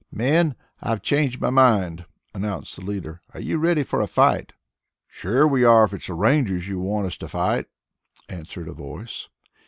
"Men, I've changed my mind," announced the leader. "Are you ready for a fight?" "Sure we are if it's Rangers you want us to fight," answered a voice.